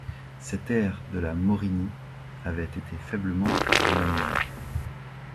Ces terres de la Morinie avaient été faiblement romanisées.